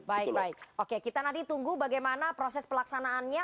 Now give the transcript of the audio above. baik baik oke kita nanti tunggu bagaimana proses pelaksanaannya